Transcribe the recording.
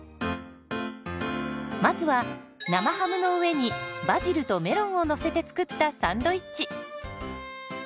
まずは生ハムの上にバジルとメロンをのせて作ったサンドイッチ。